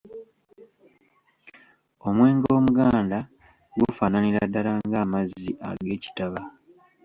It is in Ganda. Omwenge Omuganda gufaananira dala ng’amazzi ag’ekitaba.